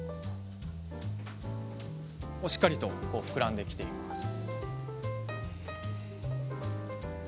しっかりと膨らんできています。